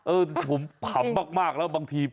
เออผมผำมากแล้วบางที